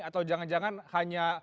atau jangan jangan hanya